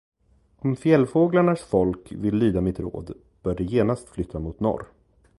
Om fjällfåglarnas folk vill lyda mitt råd, bör det genast flytta mot norr.